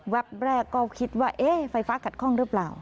แว็บแรกก็คิดว่าไฟฟ้ากัดข้องหรือเปล่า